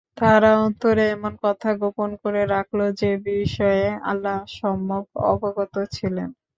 তারা অন্তরে এমন কথা গোপন করে রাখল, যে বিষয়ে আল্লাহ সম্যক অবগত ছিলেন।